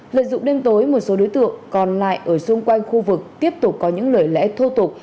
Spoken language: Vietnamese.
lợi dụng đêm tối một số đối tượng còn lại ở xung quanh khu vực tiếp tục có những lời lẽ thô tục